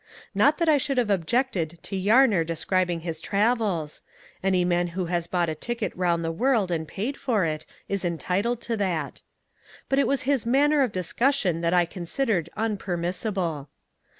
Not that I should have objected to Yarner describing his travels. Any man who has bought a ticket round the world and paid for it, is entitled to that. But it was his manner of discussion that I considered unpermissible.